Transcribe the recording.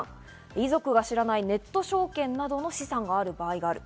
遺族が知らないネット証券などの資産がある場合がある。